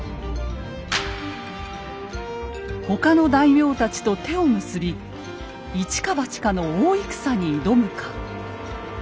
他の大名たちと手を結び一か八かの大戦に挑むか。